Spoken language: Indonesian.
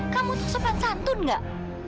kamu tuh sempat santun nggak